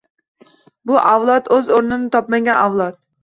«Bu avlod o‘z o‘rnini topmagan avlod.